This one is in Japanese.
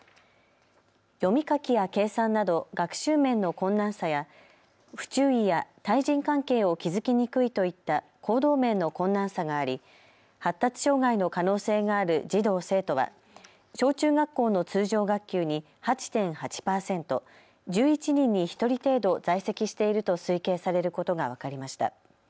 読み書きや計算など学習面の困難さや不注意や対人関係を築きにくいといった行動面の困難さがあり発達障害の可能性がある児童生徒は小中学校の通常学級に８．８％、１１人に１人程度、在籍していると推計されることが分かりました。